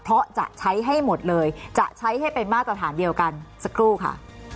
เพราะจะใช้ให้หมดเลยจะใช้ให้เป็นมาตรฐานเดียวกันสักครู่ค่ะ